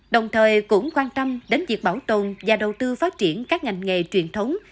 đồng thời cũng quan tâm đến việc bảo tồn và đầu tư phát triển các ngành nghề truyền thống